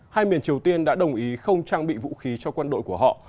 hai miền triều tiên đã đồng ý không trang bị vũ khí cho quân đội của họ